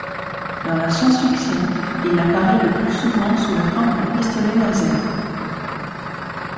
Dans la science-fiction, il apparaît le plus souvent sous la forme d'un pistolet laser.